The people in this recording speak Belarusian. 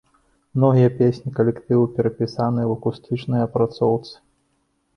Многія песні калектыву перапісаныя ў акустычнай апрацоўцы.